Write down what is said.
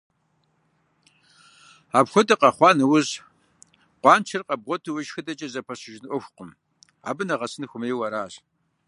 Апхуэдэ къэхъуа нэужь, къуаншэр къэбгъуэту уешхыдэкӀэ зэпэщыжын Ӏуэхукъым, абы нэгъэсын хуэмейуэ аращ.